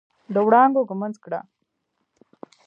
د وړانګو ږمنځ کړه